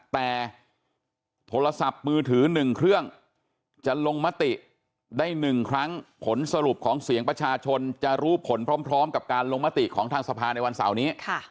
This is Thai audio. แต่โทรศัพท์มือถือ๑เครื่องจะลงมติได้๑ครั้งผลสรุปของเสียงประชาชนจะรู้ผลพร้อมกับการลงมติของทางสภาในวันเสาร์นี้